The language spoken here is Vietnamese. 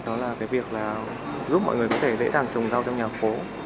đó là cái việc là giúp mọi người có thể dễ dàng trồng rau trong nhà phố